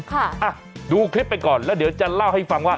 อ่ะดูคลิปไปก่อนแล้วเดี๋ยวจะเล่าให้ฟังว่า